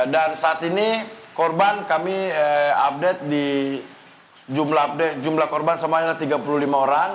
dan saat ini korban kami update di jumlah korban semuanya tiga puluh lima orang